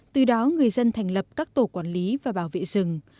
từ đó người dân thành lập các tổ quản lý và bảo vệ rừng